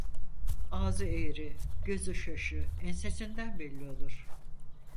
Ağzı eğri, gözü şaşı ensesinden belli olur.